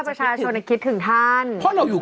ตราบใดที่ตนยังเป็นนายกอยู่